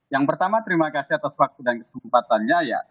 yang pertama terima kasih atas waktu dan kesempatannya